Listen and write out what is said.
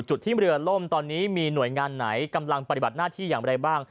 จุดที่เรือล่มตอนนี้มีหน่วยงานไหนกำลังปฏิบัติหน้าที่อย่างไรบ้าง